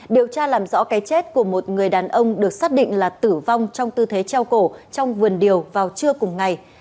điều tra làm rõ cái chết của một người đàn ông được xác định là tử vong trong tư thế treo cổ trong vườn điều vào trưa cùng ngày